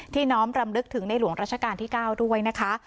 น้อมรำลึกถึงในหลวงราชการที่๙ด้วยนะคะ